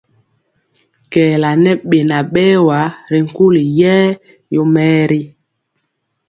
Kɛɛla ŋɛ beŋa berwa ri nkuli yɛɛ yomɛɛri.